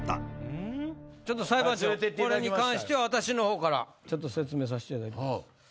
これに関しては私の方からちょっと説明させていただきます。